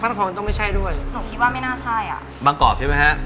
ตะพรต้องไม่ใช่ด้วยหนูคิดว่าไม่น่าใช่อ่ะบางกอกใช่ไหมฮะ